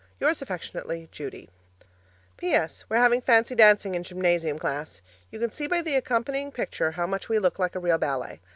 Yours affectionately, Judy PS. We're having fancy dancing in gymnasium class. You can see by the accompanying picture how much we look like a real ballet.